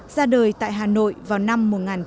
ra đời tại hà nội vào năm một nghìn chín trăm hai mươi ba